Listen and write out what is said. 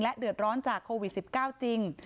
เดือดร้อนจากโควิด๑๙จริง